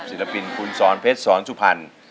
ศิลปินคุณสอนเพชรสอนสุพรรณ